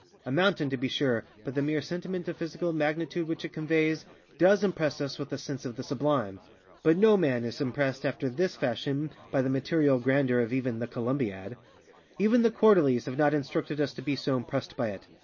A mountain, to be sure, by the mere sentiment of physical magnitude which it conveys, _does _impress us with a sense of the sublimeŌĆöbut no man is impressed after _this _fashion by the material grandeur of even ŌĆ£The Columbiad.ŌĆØ Even the Quarterlies have not instructed us to be so impressed by it.